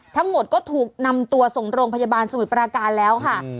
ทั้งหมดก็ถูกนำตัวส่งโรงพยาบาลสมุทรปราการแล้วค่ะ